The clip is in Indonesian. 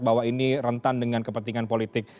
bahwa ini rentan dengan kepentingan politik